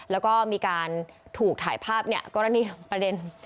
แล้วก็มีการถูกถ่ายภาพเนี่ยก็แรกนี้ประเด็น